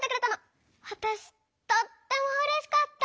わたしとってもうれしかった。